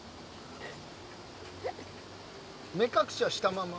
目隠しはしたまま？